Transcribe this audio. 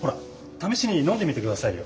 ためしに飲んでみて下さいよ。